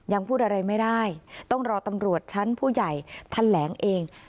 ยังพูดอะไรไม่ได้ต้องรอตำรวจชั้นผู้ใหญ่แถลงเอง